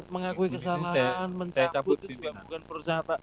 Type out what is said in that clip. mengakui kesalahan mencabut itu juga bukan perusahaan